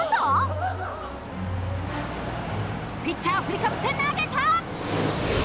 ピッチャー振りかぶって投げた！